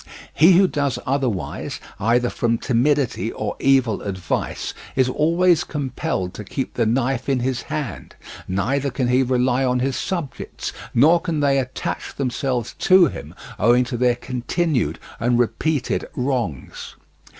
He who does otherwise, either from timidity or evil advice, is always compelled to keep the knife in his hand; neither can he rely on his subjects, nor can they attach themselves to him, owing to their continued and repeated wrongs.